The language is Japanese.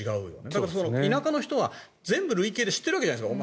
だから、田舎の人は全部知っているわけじゃないですか。